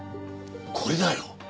これだよ。